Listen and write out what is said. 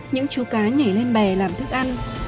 những chú cá nhảy lên bè làm thức ăn